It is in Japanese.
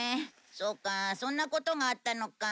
そうかそんなことがあったのか。